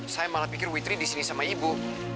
saya malah pikir witri disini sama ibu